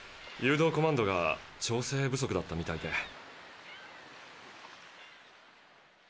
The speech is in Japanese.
誘導コマンドが調整不足だったみたいで。